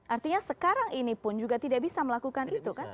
artinya sekarang ini pun juga tidak bisa melakukan itu kan